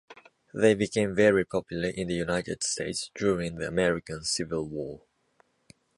They became very popular in the United States during the American Civil War.